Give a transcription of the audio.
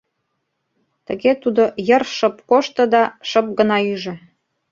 Тыге тудо йыр шып кошто да шып гына ӱжӧ.